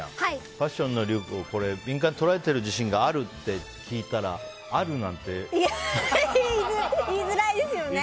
ファッションの流行を敏感に捉えてる自信がある？って聞いたら言いづらいですよね！